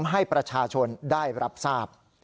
ให้ประชาชนได้รับทราบ